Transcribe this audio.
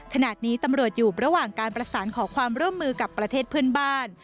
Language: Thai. ขณะนี้ตำรวจอยู่ระหว่างการประสานขอความร่วมมือกับประเทศเพื่อนบ้าน